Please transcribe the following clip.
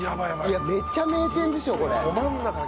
いやめっちゃ名店でしょこれ。